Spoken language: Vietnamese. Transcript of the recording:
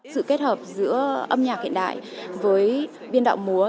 sự kết hợp giữa âm nhạc hiện đại với biên đạo múa